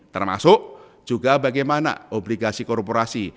termasuk juga bagaimana obligasi korporasi